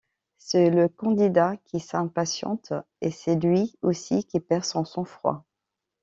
C'est le candidat qui s'impatiente et c'est lui aussi qui perd son sang-froid.